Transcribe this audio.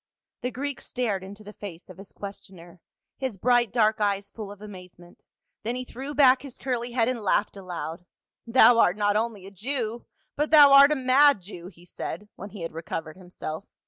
The Greek stared into the face of his questioner, his bright dark eyes full of amazement, then he threw back his curly head and laughed aloud. " Thou art not only a Jew, but thou art a mad Jew," he said, when he had recovered himself.